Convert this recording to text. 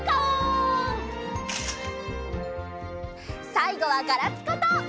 さいごはガラピコと！